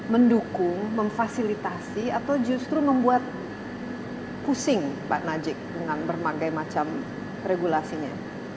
mendukung memfasilitasi atau justru membuat pusing pak najik dengan berbagai macam regulasinya